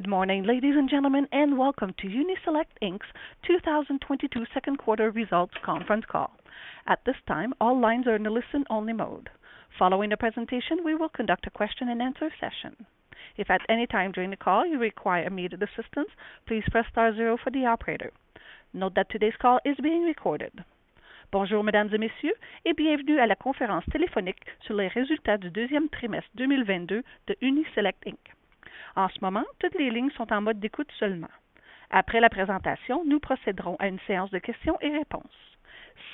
Good morning, ladies and gentlemen, and welcome to Uni-Select Inc.'s 2022 second quarter results conference call. At this time, all lines are in a listen only mode. Following the presentation, we will conduct a question-and-answer session. If at any time during the call you require immediate assistance, please press star zero for the operator. Note that today's call is being recorded. Bonjour Mesdames et Messieurs, et bienvenue à la conférence téléphonique sur les résultats du deuxième trimestre 2022 de Uni-Select Inc. En ce moment, toutes les lignes sont en mode d'écoute seulement. Après la présentation, nous procéderons à une séance de questions et réponses.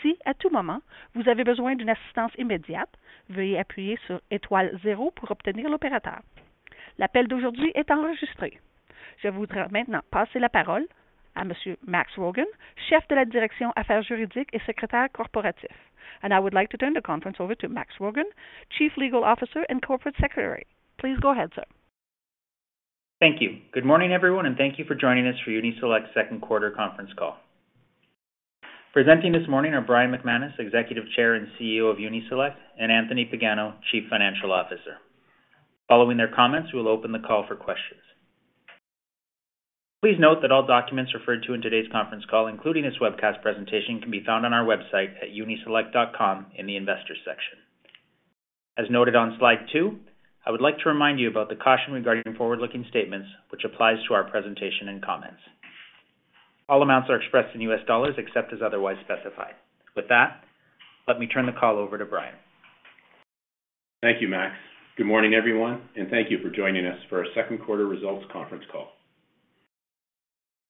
Si à tout moment, vous avez besoin d'une assistance immédiate, veuillez appuyer sur étoile zéro pour obtenir l'opérateur. L'appel d'aujourd'hui est enregistré. Je voudrais maintenant passer la parole à Monsieur Max Rogan, chef de la direction affaires juridiques et secrétaire corporatif. I would like to turn the conference over to Max Rogan, Chief Legal Officer and Corporate Secretary. Please go ahead, sir. Thank you. Good morning, everyone, and thank you for joining us for Uni-Select's second quarter conference call. Presenting this morning are Brian McManus, Executive Chair and CEO of Uni-Select, and Anthony Pagano, Chief Financial Officer. Following their comments, we will open the call for questions. Please note that all documents referred to in today's conference call, including this webcast presentation, can be found on our website at uniselect.com in the investors section. As noted on Slide two, I would like to remind you about the caution regarding forward-looking statements which applies to our presentation and comments. All amounts are expressed in U.S. dollars except as otherwise specified. With that, let me turn the call over to Brian. Thank you, Max. Good morning, everyone, and thank you for joining us for our second quarter results conference call.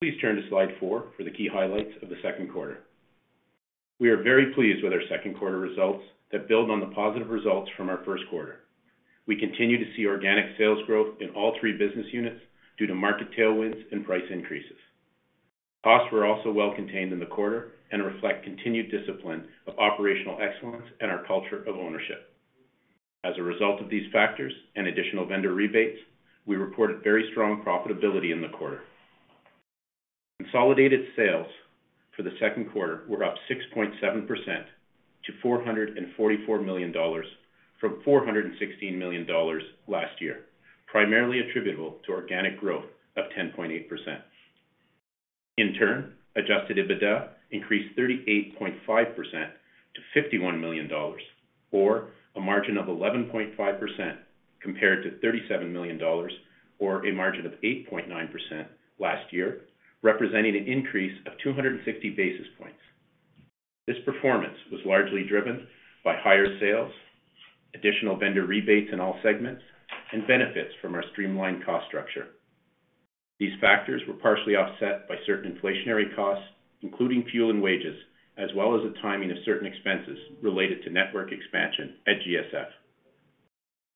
Please turn to Slide 4four for the key highlights of the second quarter. We are very pleased with our second quarter results that build on the positive results from our first quarter. We continue to see organic sales growth in all three business units due to market tailwinds and price increases. Costs were also well contained in the quarter and reflect continued discipline of operational excellence and our culture of ownership. As a result of these factors and additional vendor rebates, we reported very strong profitability in the quarter. Consolidated sales for the second quarter were up 6.7% to 444 million dollars from 416 million dollars last year, primarily attributable to organic growth of 10.8%. In turn, Adjusted EBITDA increased 38.5% to 51 million dollars or a margin of 11.5% compared to 37 million dollars or a margin of 8.9% last year, representing an increase of 250 basis points. This performance was largely driven by higher sales, additional vendor rebates in all segments, and benefits from our streamlined cost structure. These factors were partially offset by certain inflationary costs, including fuel and wages, as well as the timing of certain expenses related to network expansion at GSF.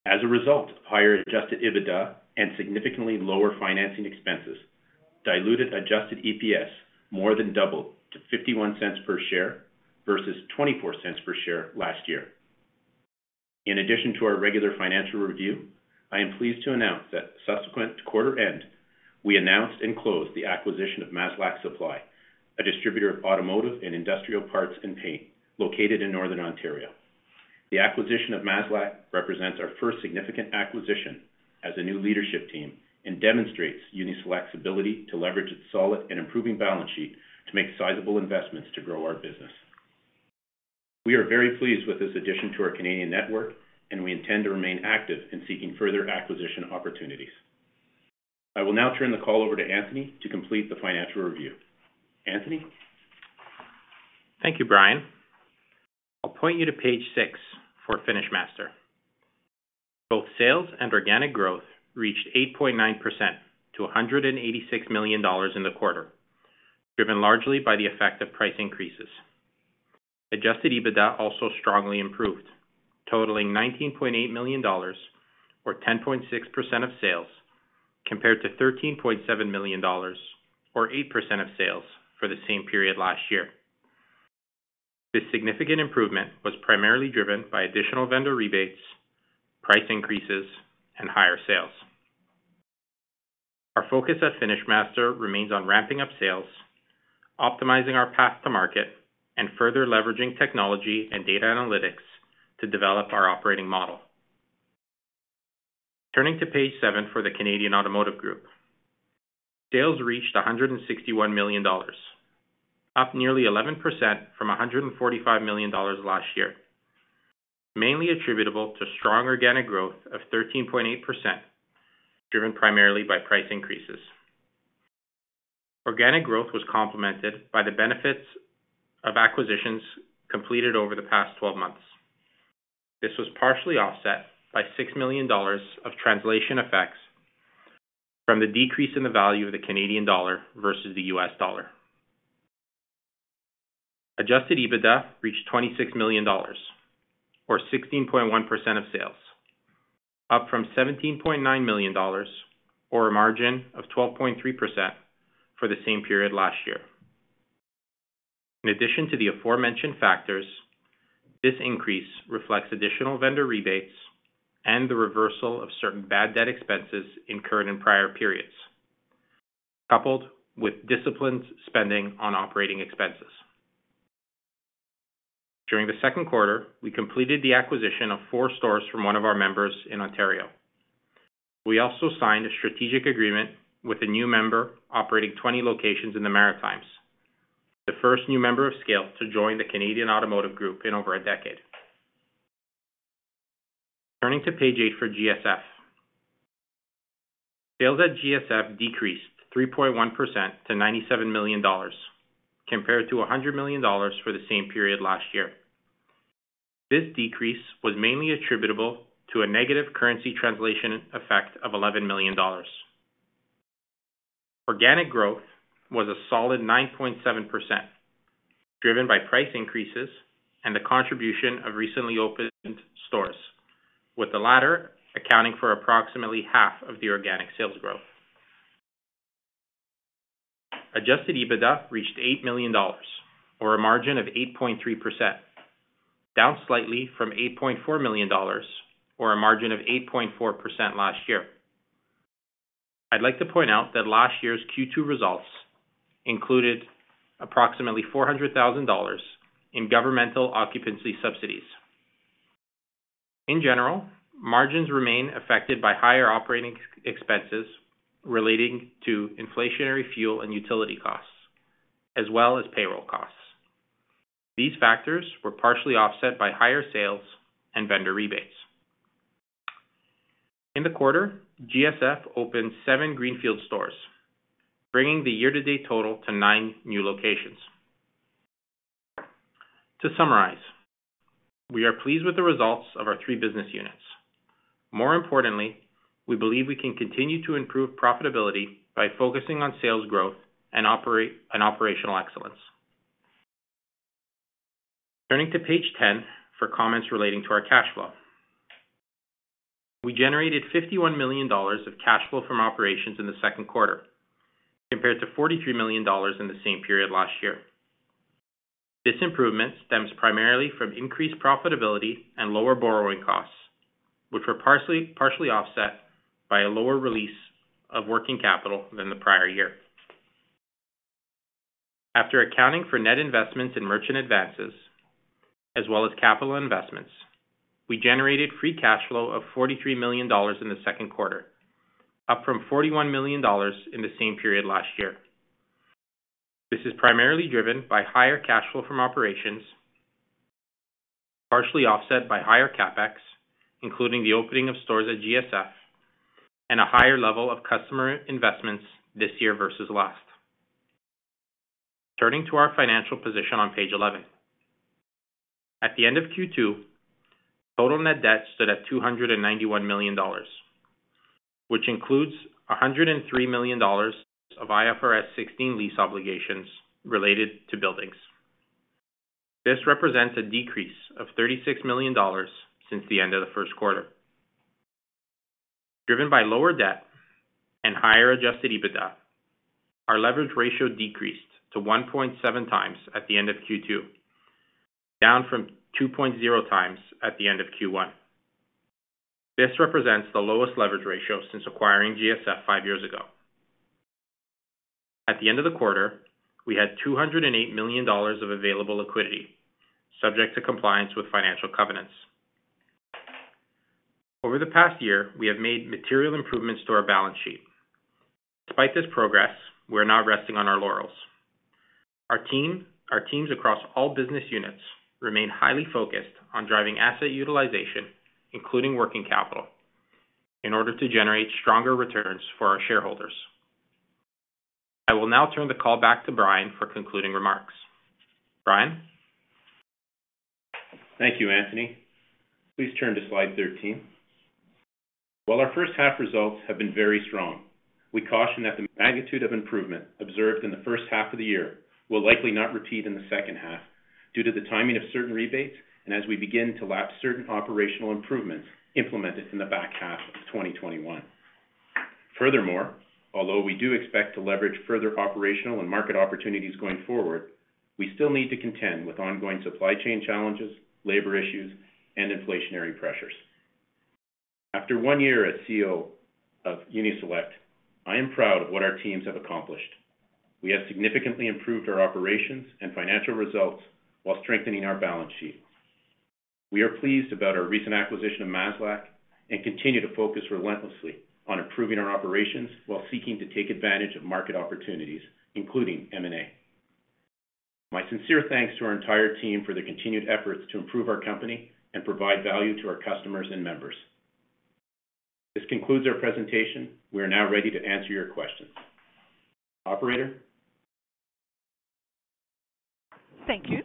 As a result of higher Adjusted EBITDA and significantly lower financing expenses, Diluted Adjusted EPS more than doubled to 0.51 per share versus 0.24 per share last year. In addition to our regular financial review, I am pleased to announce that subsequent to quarter end, we announced and closed the acquisition of Maslack Supply, a distributor of automotive and industrial parts and paint located in Northern Ontario. The acquisition of Maslack represents our first significant acquisition as a new leadership team and demonstrates Uni-Select's ability to leverage its solid and improving balance sheet to make sizable investments to grow our business. We are very pleased with this addition to our Canadian network and we intend to remain active in seeking further acquisition opportunities. I will now turn the call over to Anthony to complete the financial review. Anthony. Thank you, Brian. I'll point you to Page six for FinishMaster. Both sales and organic growth reached 8.9% to $186 million in the quarter, driven largely by the effect of price increases. Adjusted EBITDA also strongly improved, totaling $19.8 million or 10.6% of sales, compared to $13.7 million or 8% of sales for the same period last year. This significant improvement was primarily driven by additional vendor rebates, price increases, and higher sales. Our focus at FinishMaster remains on ramping up sales, optimizing our path to market, and further leveraging technology and data analytics to develop our operating model. Turning to Page seven for the Canadian Automotive Group. Sales reached $161 million, up nearly 11% from $145 million last year, mainly attributable to strong organic growth of 13.8%, driven primarily by price increases. Organic growth was complemented by the benefits of acquisitions completed over the past 12 months. This was partially offset by $6 million of translation effects from the decrease in the value of the Canadian dollar versus the U.S. dollar. Adjusted EBITDA reached $26 million or 16.1% of sales, up from $17.9 million or a margin of 12.3% for the same period last year. In addition to the aforementioned factors, this increase reflects additional vendor rebates and the reversal of certain bad debt expenses incurred in prior periods, coupled with disciplined spending on operating expenses. During the second quarter, we completed the acquisition of four stores from one of our members in Ontario. We also signed a strategic agreement with a new member operating 20 locations in the Maritimes, the first new member of scale to join the Canadian Automotive Group in over a decade. Turning to Page eight for GSF. Sales at GSF decreased 3.1% to 97 million dollars, compared to 100 million dollars for the same period last year. This decrease was mainly attributable to a negative currency translation effect of 11 million dollars. Organic growth was a solid 9.7%, driven by price increases and the contribution of recently opened stores, with the latter accounting for approximately half of the organic sales growth. Adjusted EBITDA reached 8 million dollars, or a margin of 8.3%, down slightly from 8.4 million dollars or a margin of 8.4% last year. I'd like to point out that last year's Q2 results included approximately 400,000 dollars in governmental occupancy subsidies. In general, margins remain affected by higher operating expenses relating to inflationary fuel and utility costs, as well as payroll costs. These factors were partially offset by higher sales and vendor rebates. In the quarter, GSF opened seven greenfield stores, bringing the year-to-date total to nine new locations. To summarize, we are pleased with the results of our three business units. More importantly, we believe we can continue to improve profitability by focusing on sales growth and operational excellence. Turning to Page 10 for comments relating to our cash flow. We generated 51 million dollars of cash flow from operations in the second quarter, compared to 43 million dollars in the same period last year. This improvement stems primarily from increased profitability and lower borrowing costs, which were partially offset by a lower release of working capital than the prior year. After accounting for net investments in merchant advances as well as capital investments, we generated Free Cash Flow of 43 million dollars in the second quarter, up from 41 million dollars in the same period last year. This is primarily driven by higher cash flow from operations, partially offset by higher CapEx, including the opening of stores at GSF and a higher level of customer investments this year versus last. Turning to our financial position on Page 11. At the end of Q2, total net debt stood at 291 million dollars, which includes 103 million dollars of IFRS 16 lease obligations related to buildings. This represents a decrease of 36 million dollars since the end of the first quarter. Driven by lower debt and higher adjusted EBITDA, our leverage ratio decreased to 1.7x at the end of Q2, down from 2.0x at the end of Q1. This represents the lowest leverage ratio since acquiring GSF five years ago. At the end of the quarter, we had 208 million dollars of available liquidity subject to compliance with financial covenants. Over the past year, we have made material improvements to our balance sheet. Despite this progress, we're not resting on our laurels. Our teams across all business units remain highly focused on driving asset utilization, including working capital, in order to generate stronger returns for our shareholders. I will now turn the call back to Brian for concluding remarks. Brian? Thank you, Anthony. Please turn to Slide 13. While our first half results have been very strong, we caution that the magnitude of improvement observed in the first half of the year will likely not repeat in the second half due to the timing of certain rebates and as we begin to lap certain operational improvements implemented in the back half of 2021. Furthermore, although we do expect to leverage further operational and market opportunities going forward, we still need to contend with ongoing supply chain challenges, labor issues, and inflationary pressures. After one year as CEO of Uni-Select, I am proud of what our teams have accomplished. We have significantly improved our operations and financial results while strengthening our balance sheet. We are pleased about our recent acquisition of Maslack and continue to focus relentlessly on improving our operations while seeking to take advantage of market opportunities, including M&A. My sincere thanks to our entire team for their continued efforts to improve our company and provide value to our customers and members. This concludes our presentation. We are now ready to answer your questions. Operator? Thank you.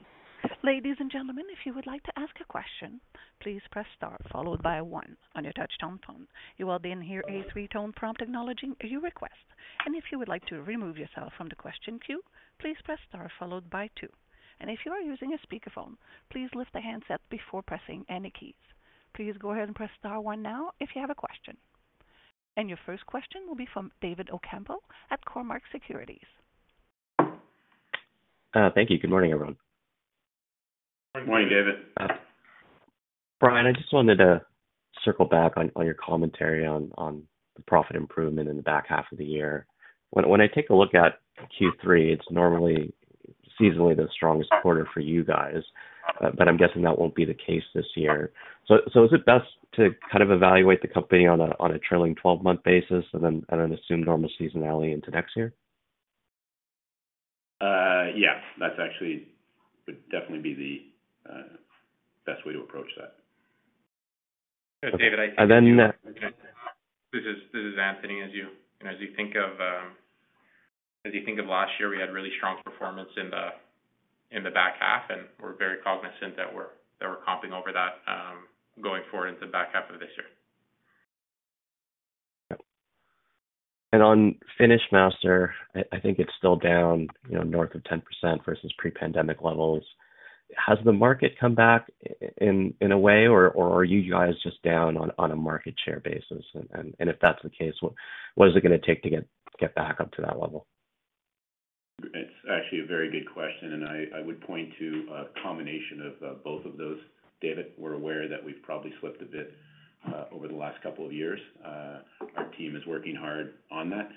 Ladies and gentlemen, if you would like to ask a question, please press star followed by one on your touchtone phone. You will then hear a three-tone prompt acknowledging your request. If you would like to remove yourself from the question queue, please press star followed by two. If you are using a speakerphone, please lift the handset before pressing any keys. Please go ahead and press star one now if you have a question. Your first question will be from David Ocampo at Cormark Securities. Thank you. Good morning, everyone. Good morning, David. Brian, I just wanted to circle back on your commentary on the profit improvement in the back half of the year. When I take a look at Q3, it's normally seasonally the strongest quarter for you guys, but I'm guessing that won't be the case this year. Is it best to kind of evaluate the company on a trailing 12-month basis and then assume normal seasonality into next year? Yeah. Would definitely be the best way to approach that. Okay. David, I think this is Anthony. As you think of last year, we had really strong performance in the back half, and we're very cognizant that we're comping over that, going forward into the back half of this year. On FinishMaster, I think it's still down, you know, north of 10% versus pre-pandemic levels. Has the market come back in a way, or are you guys just down on a market share basis? If that's the case, what is it gonna take to get back up to that level? It's actually a very good question, and I would point to a combination of both of those, David. We're aware that we've probably slipped a bit over the last couple of years. Our team is working hard on that.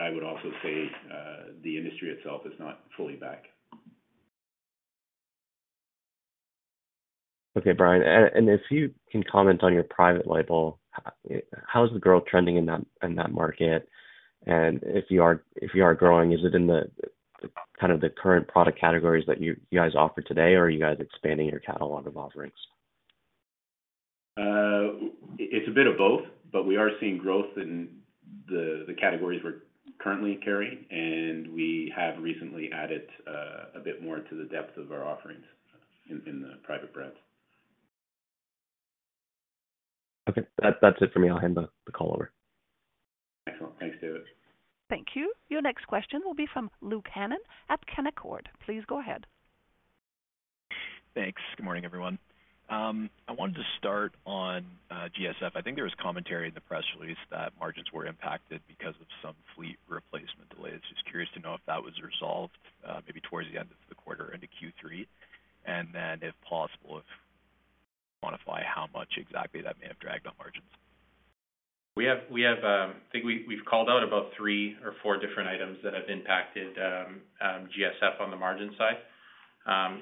I would also say the industry itself is not fully back. Okay, Brian. If you can comment on your private label, how is the growth trending in that market? If you are growing, is it in the kind of current product categories that you guys offer today, or are you guys expanding your catalog of offerings? It's a bit of both, but we are seeing growth in the categories we're currently carrying, and we have recently added a bit more to the depth of our offerings in the private brands. Okay. That's it for me. I'll hand the call over. Excellent. Thanks, David. Thank you. Your next question will be from Luke Hannan at Canaccord. Please go ahead. Thanks. Good morning, everyone. I wanted to start on GSF. I think there was commentary in the press release that margins were impacted because of some fleet replacement delays. Just curious to know if that was resolved, maybe towards the end of the quarter into Q3. Then if possible, quantify how much exactly that may have dragged on margins. I think we've called out about three or four different items that have impacted GSF on the margin side.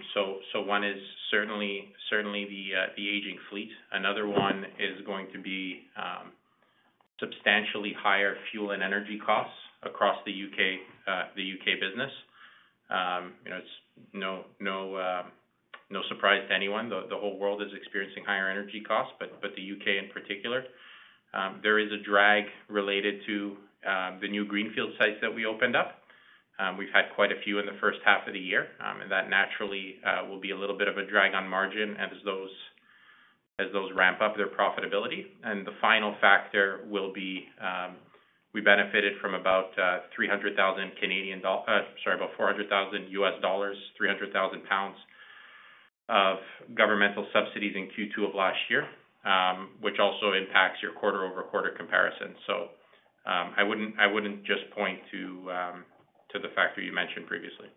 One is certainly the aging fleet. Another one is going to be substantially higher fuel and energy costs across the U.K. business. You know, it's no surprise to anyone, the whole world is experiencing higher energy costs, but the U.K. in particular. There is a drag related to the new greenfield sites that we opened up. We've had quite a few in the first half of the year, and that naturally will be a little bit of a drag on margin as those ramp up their profitability. The final factor will be, we benefited from about $400,000, 300,000 pounds of governmental subsidies in Q2 of last year, which also impacts your quarter-over-quarter comparison. I wouldn't just point to the factor you mentioned previously.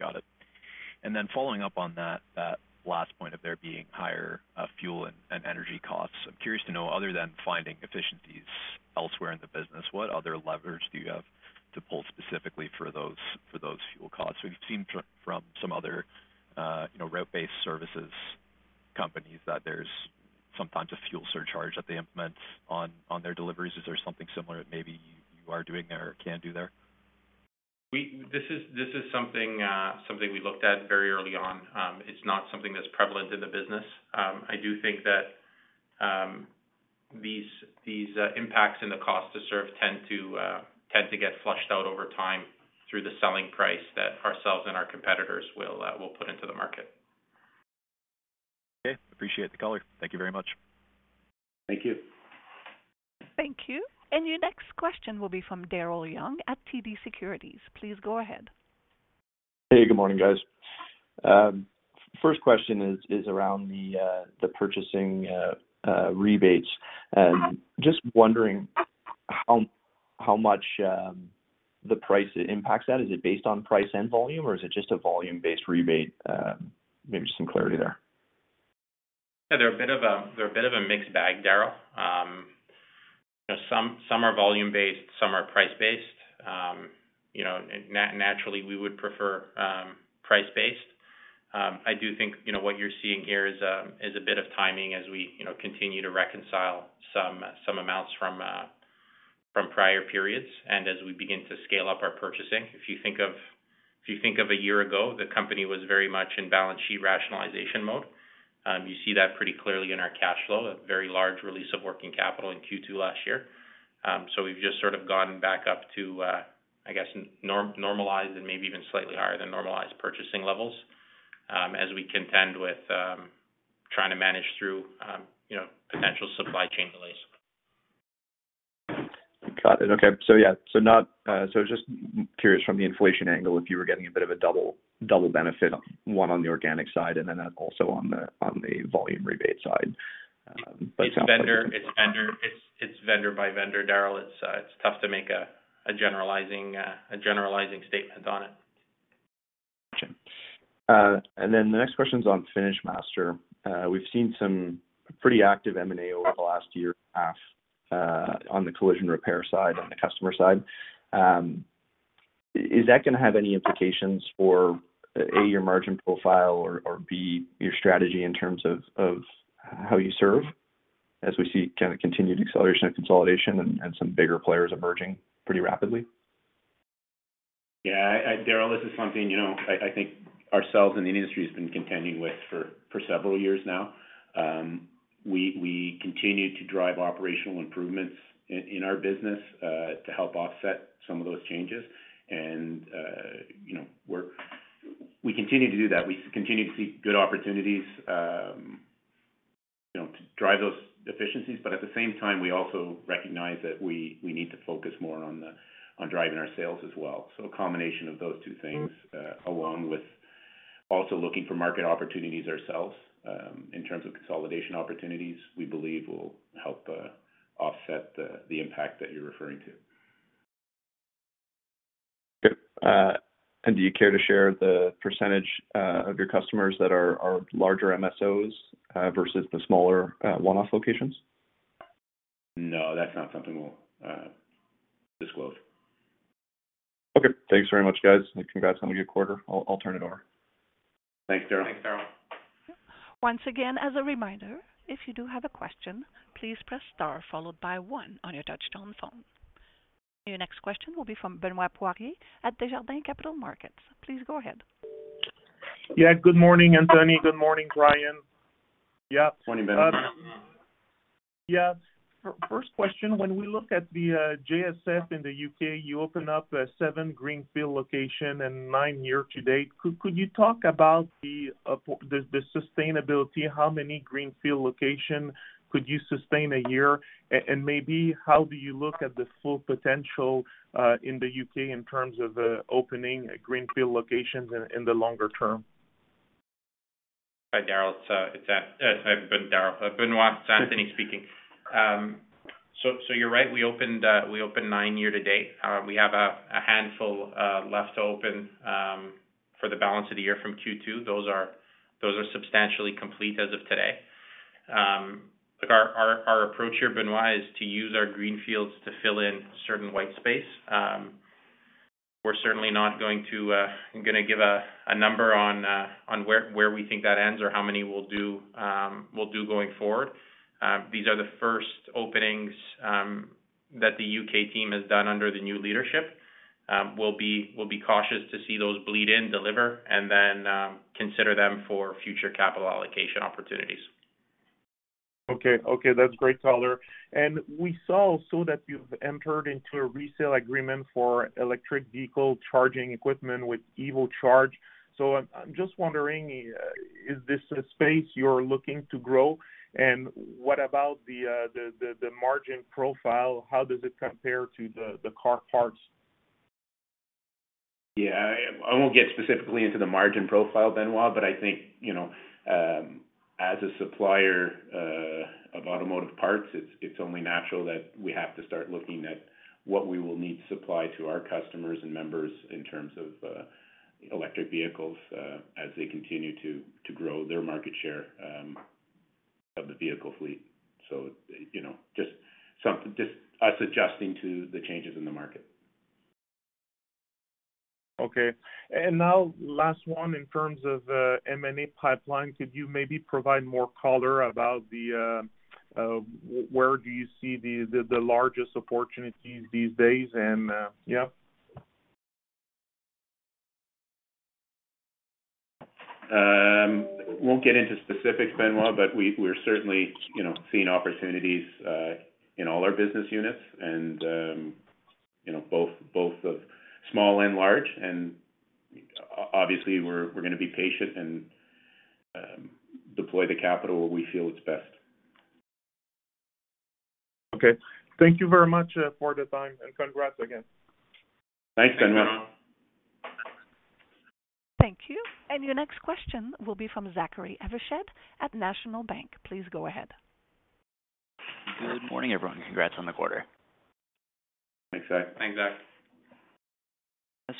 Got it. Following up on that last point of there being higher fuel and energy costs. I'm curious to know, other than finding efficiencies elsewhere in the business, what other levers do you have to pull specifically for those fuel costs? We've seen from some other you know route-based services companies that there's sometimes a fuel surcharge that they implement on their deliveries. Is there something similar that maybe you are doing there or can do there? This is something we looked at very early on. It's not something that's prevalent in the business. I do think that these impacts in the cost to serve tend to get flushed out over time through the selling price that ourselves and our competitors will put into the market. Okay. Appreciate the color. Thank you very much. Thank you. Thank you. Your next question will be from Daryl Young at TD Securities. Please go ahead. Hey, good morning, guys. First question is around the purchasing rebates. Just wondering how much the price impacts that. Is it based on price and volume, or is it just a volume-based rebate? Maybe some clarity there. They're a bit of a mixed bag, Daryl. Some are volume-based, some are price-based. You know, naturally, we would prefer price-based. I do think, you know, what you're seeing here is a bit of timing as we, you know, continue to reconcile some amounts from prior periods and as we begin to scale up our purchasing. If you think of a year ago, the company was very much in balance sheet rationalization mode. You see that pretty clearly in our cash flow, a very large release of working capital in Q2 last year. We've just sort of gone back up to, I guess, normalized and maybe even slightly higher than normalized purchasing levels as we contend with, you know, potential supply chain delays. Got it. Okay. Just curious from the inflation angle, if you were getting a bit of a double benefit, one on the organic side and then also on the volume rebate side. It's vendor by vendor, Daryl. It's tough to make a generalizing statement on it. Gotcha. The next question's on FinishMaster. We've seen some pretty active M&A over the last year and a half, on the collision repair side, on the customer side. Is that gonna have any implications for, A, your margin profile or, B, your strategy in terms of how you serve as we see kinda continued acceleration and consolidation and some bigger players emerging pretty rapidly? Darryl, this is something, you know, I think ourselves and the industry has been contending with for several years now. We continue to drive operational improvements in our business to help offset some of those changes. You know, we continue to do that. We continue to see good opportunities, you know, to drive those efficiencies. But at the same time, we also recognize that we need to focus more on driving our sales as well. A combination of those two things, along with also looking for market opportunities ourselves, in terms of consolidation opportunities, we believe will help offset the impact that you're referring to. Okay. Do you care to share the percentage of your customers that are larger MSOs versus the smaller one-off locations? No, that's not something we'll disclose. Okay. Thanks very much, guys, and congrats on your quarter. I'll turn it over. Thanks, Darryl. Thanks, Daryl. Once again, as a reminder, if you do have a question, please press star followed by one on your touchtone phone. Your next question will be from Benoit Poirier at Desjardins Capital Markets. Please go ahead. Yeah. Good morning, Anthony. Good morning, Brian. Yeah. Morning, Benoit. Yeah. First question, when we look at the GSF in the U.K., you opened up seven greenfield locations and nine year-to-date. Could you talk about the sustainability, how many greenfield locations could you sustain a year? And maybe how do you look at the full potential in the U.K. in terms of opening greenfield locations in the longer term? Hi, Daryl. It's Benoit, it's Anthony speaking. So you're right, we opened 9 year to date. We have a handful left to open for the balance of the year from Q2. Those are substantially complete as of today. Look, our approach here, Benoit, is to use our greenfields to fill in certain white space. We're certainly not going to give a number on where we think that ends or how many we'll do going forward. These are the first openings that the U.K. team has done under the new leadership. We'll be cautious to see those bleed in, deliver, and then consider them for future capital allocation opportunities. Okay, that's great color. We saw also that you've entered into a resale agreement for electric vehicle charging equipment with EV Charge. I'm just wondering, is this a space you're looking to grow? What about the margin profile? How does it compare to the car parts? Yeah. I won't get specifically into the margin profile, Benoit, but I think, you know, as a supplier of automotive parts, it's only natural that we have to start looking at what we will need to supply to our customers and members in terms of electric vehicles as they continue to grow their market share of the vehicle fleet. You know, just us adjusting to the changes in the market. Okay. Now last one, in terms of M&A pipeline, could you maybe provide more color about where do you see the largest opportunities these days and yeah. Won't get into specifics, Benoit, but we're certainly, you know, seeing opportunities in all our business units and, you know, both of small and large. Obviously, we're gonna be patient and deploy the capital where we feel it's best. Okay. Thank you very much, for the time, and congrats again. Thanks, Benoit. Thank you. Your next question will be from Zachary Evershed at National Bank. Please go ahead. Good morning, everyone. Congrats on the quarter. Thanks, Zach. Thanks, Zachary.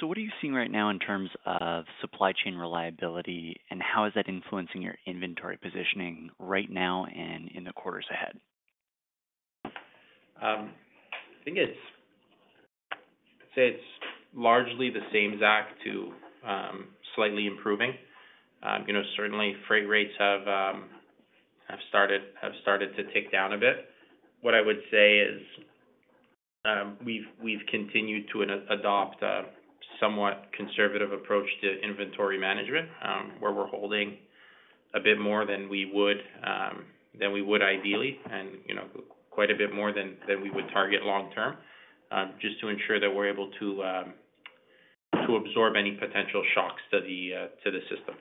What are you seeing right now in terms of supply chain reliability, and how is that influencing your inventory positioning right now and in the quarters ahead? I think it's. I'd say it's largely the same, Zach, too slightly improving. You know, certainly freight rates have started to tick down a bit. What I would say is, we've continued to adopt a somewhat conservative approach to inventory management, where we're holding a bit more than we would ideally, and you know, quite a bit more than we would target long term, just to ensure that we're able to absorb any potential shocks to the system.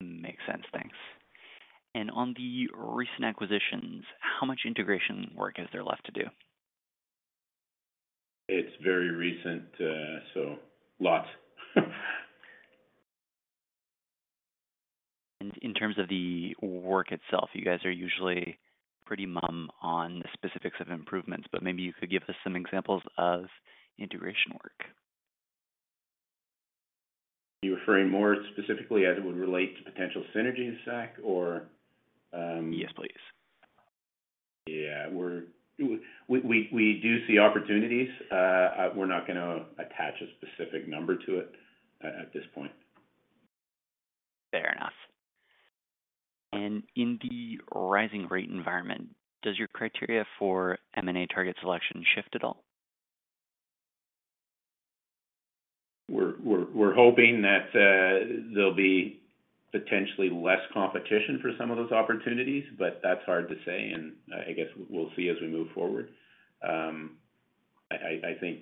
Makes sense. Thanks. On the recent acquisitions, how much integration work is there left to do? It's very recent, so lots. In terms of the work itself, you guys are usually pretty mum on the specifics of improvements, but maybe you could give us some examples of integration work. Are you referring more specifically as it would relate to potential synergies, Zach, or? Yes, please. Yeah. We do see opportunities. We're not gonna attach a specific number to it at this point. Fair enough. In the rising rate environment, does your criteria for M&A target selection shift at all? We're hoping that there'll be potentially less competition for some of those opportunities, but that's hard to say, and I guess we'll see as we move forward. I think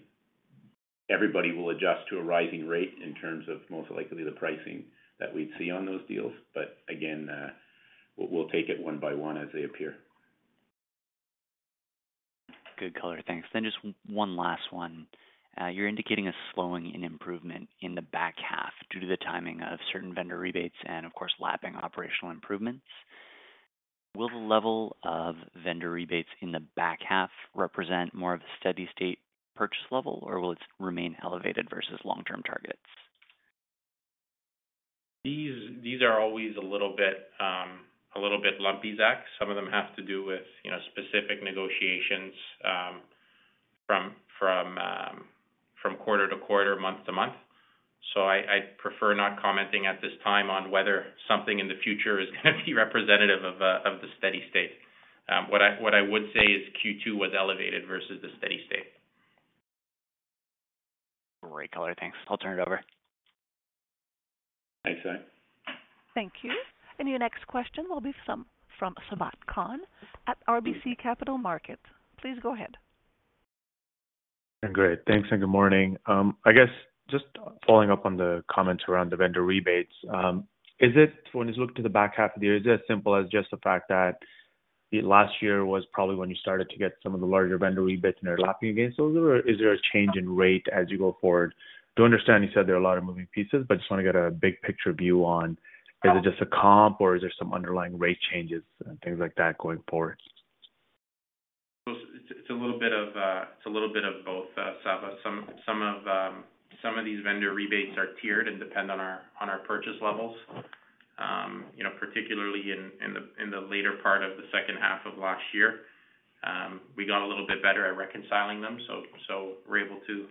everybody will adjust to a rising rate in terms of most likely the pricing that we'd see on those deals. Again, we'll take it one by one as they appear. Good color. Thanks. Just one last one. You're indicating a slowing in improvement in the back half due to the timing of certain vendor rebates and, of course, lapping operational improvements. Will the level of vendor rebates in the back half represent more of a steady state purchase level, or will it remain elevated versus long-term targets? These are always a little bit lumpy, Zachary. Some of them have to do with, you know, specific negotiations, from quarter to quarter, month to month. I prefer not commenting at this time on whether something in the future is gonna be representative of the steady state. What I would say is Q2 was elevated versus the steady state. Great color. Thanks. I'll turn it over. Thanks, Zach. Thank you. Your next question will be from Sabahat Khan at RBC Capital Markets. Please go ahead. Great. Thanks, and good morning. I guess just following up on the comments around the vendor rebates, is it? When you look to the back half of the year, is it as simple as just the fact that last year was probably when you started to get some of the larger vendor rebates and are lapping against those, or is there a change in rate as you go forward? I do understand you said there are a lot of moving pieces, but just wanna get a big picture view on is it just a comp or is there some underlying rate changes and things like that going forward? It's a little bit of both, Sabahat. Some of these vendor rebates are tiered and depend on our purchase levels. You know, particularly in the later part of the second half of last year, we got a little bit better at reconciling them, so we're able to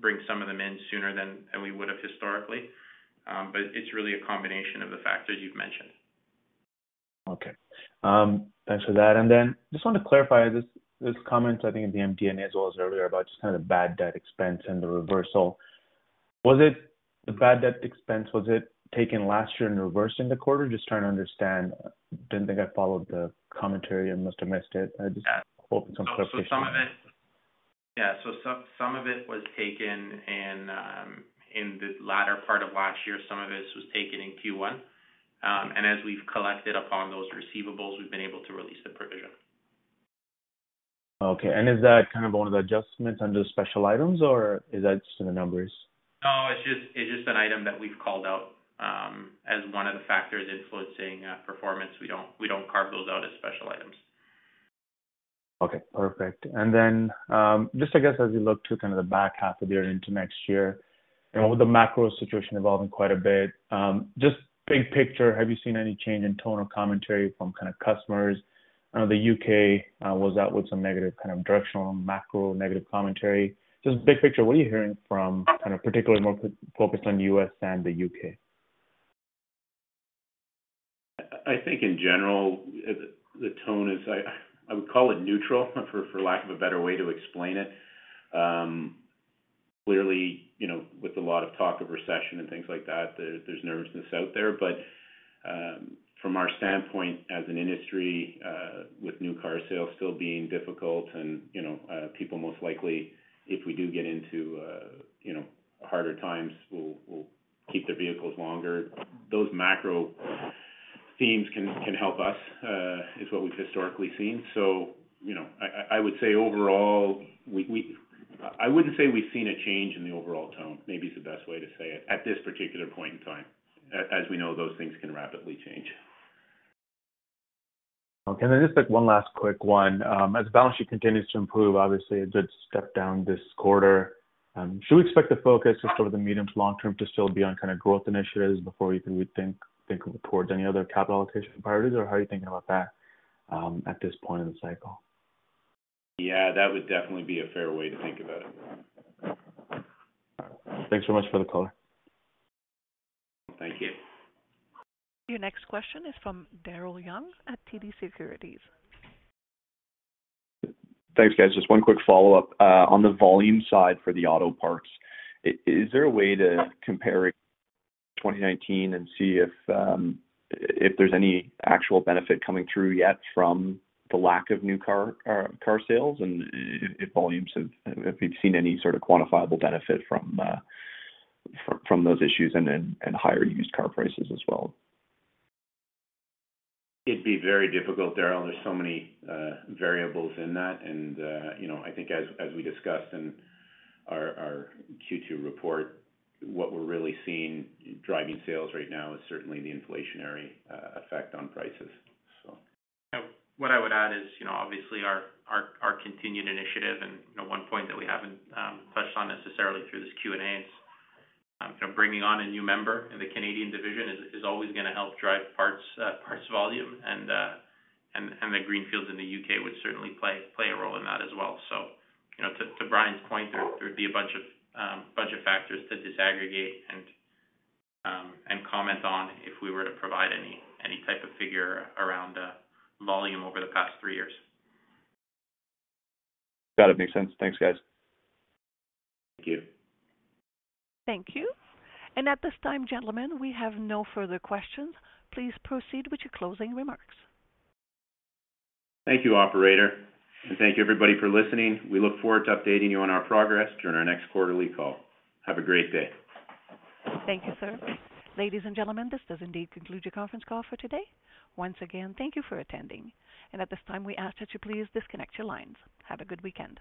bring some of them in sooner than we would have historically. It's really a combination of the factors you've mentioned. Okay. Thanks for that. Just want to clarify this comment, I think in the MD&A as well as earlier, about just kind of bad debt expense and the reversal. Was the bad debt expense taken last year and reversed in the quarter? Just trying to understand. Didn't think I followed the commentary. I must have missed it. Yeah. Hoping some clarification. Some of it was taken in the latter part of last year. Some of this was taken in Q1. As we've collected upon those receivables, we've been able to release the provision. Okay. Is that kind of one of the adjustments under the special items, or is that just in the numbers? No, it's just an item that we've called out as one of the factors influencing performance. We don't carve those out as special items. Okay. Perfect. Just I guess as we look to kind of the back half of the year into next year, you know, with the macro situation evolving quite a bit, just big picture, have you seen any change in tone or commentary from kind of customers? I know the U.K. was out with some negative kind of directional macro negative commentary. Just big picture, what are you hearing from kind of particularly more focused on U.S. and the U.K.? I think in general, the tone is. I would call it neutral for lack of a better way to explain it. Clearly, you know, with a lot of talk of recession and things like that, there's nervousness out there. From our standpoint as an industry, with new car sales still being difficult and, you know, people most likely, if we do get into, you know, harder times, will keep their vehicles longer, those macro themes can help us, is what we've historically seen. You know, I would say overall we. I wouldn't say we've seen a change in the overall tone, maybe is the best way to say it, at this particular point in time. As we know, those things can rapidly change. Okay. Just, like, one last quick one. As the balance sheet continues to improve, obviously a good step down this quarter, should we expect the focus just over the medium to long term to still be on kind of growth initiatives before you would think towards any other capital allocation priorities, or how are you thinking about that, at this point in the cycle? Yeah, that would definitely be a fair way to think about it. Thanks so much for the color. Thank you. Your next question is from Daryl Young at TD Securities. Thanks, guys. Just one quick follow-up. On the volume side for the auto parts, is there a way to compare 2019 and see if there's any actual benefit coming through yet from the lack of new car sales and if volumes have. If you've seen any sort of quantifiable benefit from those issues and higher used car prices as well? It'd be very difficult, Daryl. There's so many variables in that and, you know, I think as we discussed in our Q2 report, what we're really seeing driving sales right now is certainly the inflationary effect on prices, so. Yeah. What I would add is, you know, obviously our continued initiative and, you know, one point that we haven't touched on necessarily through this Q&A is, you know, bringing on a new member in the Canadian division is always gonna help drive parts volume and the greenfields in the U.K. would certainly play a role in that as well. So, you know, to Brian's point, there'd be a bunch of factors to disaggregate and comment on if we were to provide any type of figure around volume over the past three years. Got it. Makes sense. Thanks, guys. Thank you. Thank you. At this time, gentlemen, we have no further questions. Please proceed with your closing remarks. Thank you, operator, and thank you, everybody, for listening. We look forward to updating you on our progress during our next quarterly call. Have a great day. Thank you, sir. Ladies and gentlemen, this does indeed conclude your conference call for today. Once again, thank you for attending. At this time, we ask that you please disconnect your lines. Have a good weekend.